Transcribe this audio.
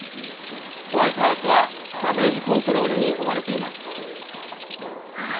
ホワイトハウスはダメージコントロールに追われています。